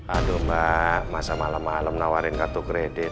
aduh mbak masa malem malem nawarin kartu kredit